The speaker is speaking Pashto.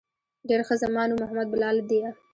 ډېر ښه زما نوم محمد بلال ديه.